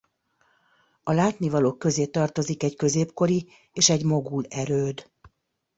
A látnivalók közé tartozik egy középkori és egy mogul erőd.